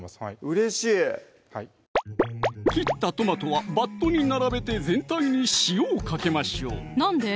うれしい切ったトマトはバットに並べて全体に塩をかけましょうなんで？